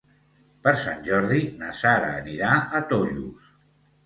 Per Sant Jordi na Sara anirà a Tollos.